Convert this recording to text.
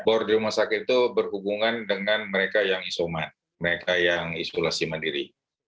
bor di rumah sakit itu berhubungan dengan mereka yang isoman mereka yang isolasi mandiri